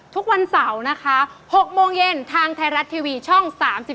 ทุกวันเสาร์นะคะ๖โมงเย็นทางไทยรัฐทีวีช่อง๓๒